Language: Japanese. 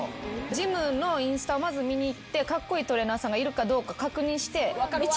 ジムのインスタをまず見にいってカッコイイトレーナーさんがいるかどうか確認して。